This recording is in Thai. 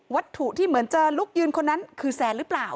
ที่เหมือนเจอลุกยืนคนนั้นคือแซนหรือเปล่า